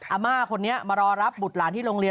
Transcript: อาม่าคนนี้มารอรับบุตรหลานที่โรงเรียน